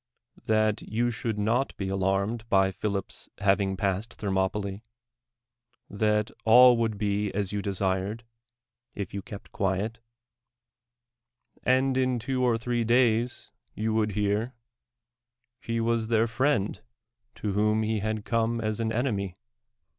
That you shoiiki not be alarmed by Philip's hav ing passed Thermopyla' — that all would be as you desired, if you kept quiet ; and in two or three days yon would hear, he Avas their friend to whom he had come as an eneniy.